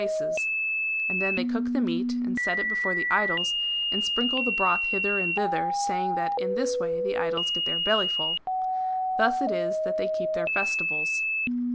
And Chap. LXI. THE BACSI AND THE SENSIN 3O3 then they cook the meat, and set it before the idols, and sprinkle the broth hither and thither, saying that in this way the idols get their bellyful. Thus it is that they keep their festivals.